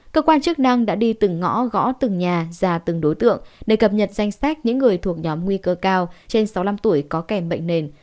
cơ quan chức năng đã đi từng ngõ gõ từng nhà già từng đối tượng để cập nhật danh sách những người thuộc nhóm nguy cơ cao trên sáu mươi năm tuổi có kèm bệnh nền